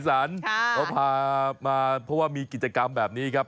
เขาพามาเพราะว่ามีกิจกรรมแบบนี้ครับ